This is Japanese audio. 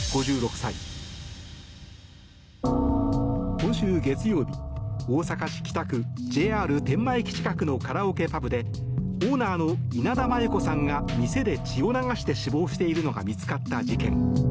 今週月曜日、大阪市北区ＪＲ天満駅近くのカラオケパブでオーナーの稲田真優子さんが店で血を流して死亡しているのが見つかった事件。